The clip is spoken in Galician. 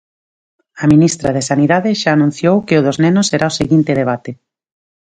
A ministra de Sanidade xa anunciou que o dos nenos será o seguinte debate.